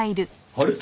あれ？